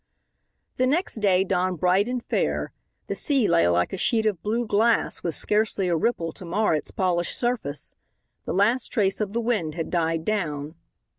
The next day dawned bright and fair. The sea lay like a sheet of blue glass, with scarcely a ripple to mar its polished surface. The last trace of the wind had died down.